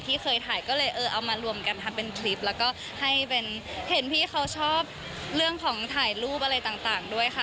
ที่เคยถ่ายก็เลยเออเอามารวมกันทำเป็นคลิปแล้วก็ให้เป็นเห็นพี่เขาชอบเรื่องของถ่ายรูปอะไรต่างด้วยค่ะ